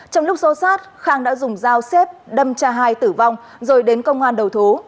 trong lúc xô sát khang đã dùng dao xếp đâm cha hai tử vong rồi đến công an đầu thú